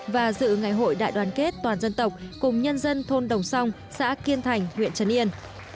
và dự ngày hội đại đoàn kết toàn dân tộc cùng nhân dân thôn đồng song xã kiên thành huyện trấn yên